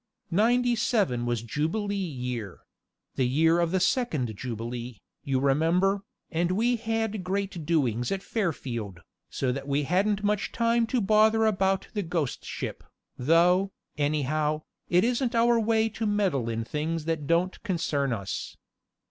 '97 was Jubilee year the year of the second Jubilee, you remember, and we had great doings at Fairfield, so that we hadn't much time to bother about the ghost ship, though, anyhow, it isn't our way to meddle in things that don't concern us.